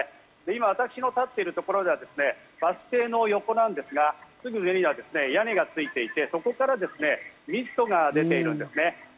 今、私の立っているところではバス停の横なんですが、すぐ上には屋根がついていて、そこからミストが出ているんですね。